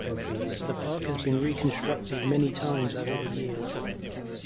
The park has been reconstructed many times over the years.